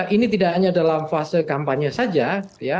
ini tidak hanya dalam fase kampanye saja ya